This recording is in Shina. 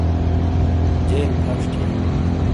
جیل فش تھیے